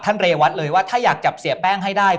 เรวัตเลยว่าถ้าอยากจับเสียแป้งให้ได้